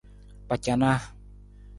Kpacanaa.